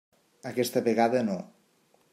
Aquesta vegada no.